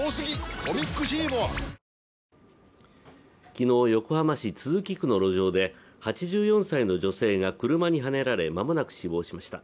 昨日、横浜市都筑区の路上で８４歳の女性が車にはねられ間もなく死亡しました。